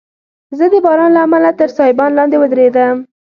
زه د باران له امله تر سایبان لاندي ودریدم.